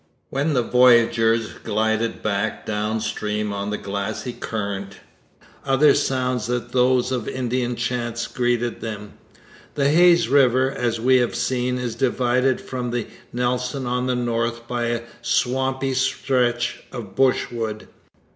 When the voyageurs glided back down stream on the glassy current, other sounds than those of Indian chants greeted them. The Hayes river, as we have seen, is divided from the Nelson on the north by a swampy stretch of brushwood.